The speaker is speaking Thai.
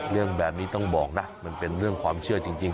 เรื่องแบบนี้ต้องบอกนะมันเป็นเรื่องความเชื่อจริง